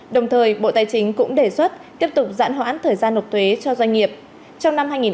đồng thời bộ tài chính cũng đề xuất tiếp tục giãn hoãn thời gian nộp thuế cho doanh nghiệp